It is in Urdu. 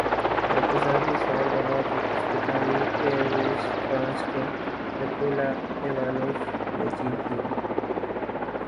ابوظہبی سال رواں کی افتتاحی ایئر ریس فرانس کے نکولا ایوانوف نے جیت لی